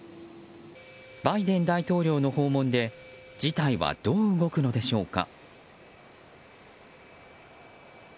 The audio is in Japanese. バイデン大統領の訪問で事態はどう動くのでしょうか。